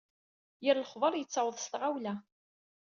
Yir lexber yettaweḍ s tɣawla.